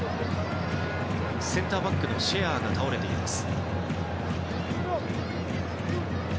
センターバックのシェアが倒れています。